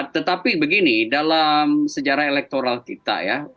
tetapi begini dalam sejarah elektoral kita ya